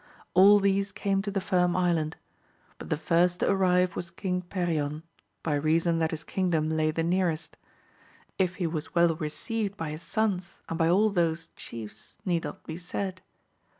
All these came to the Firm Island; but the first to arrive was ^ King Perion, by reason that his kingdom lay the nearest. If he was well received by his sons and by all those chiefs need not be said.